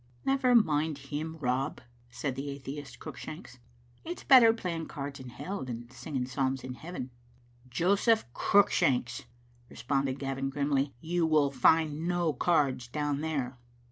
"Never mind him, Rob," said the atheist, Cruick shanks, " it's better playing cards in hell than singing psalms in heaven. " "Joseph Cruickshanks," responded Gavin grimly, "you will find no cards down there."